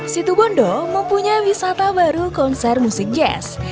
situbondo mempunyai wisata baru konser musik jazz